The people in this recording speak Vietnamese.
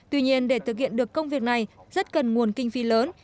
tuy nhiên để thực hiện được công việc này rất cần nguồn kinh phí lớn